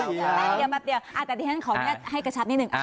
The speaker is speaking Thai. เดี๋ยวแบบเดี๋ยวแต่ที่นั้นขอให้กระชับนิดนึง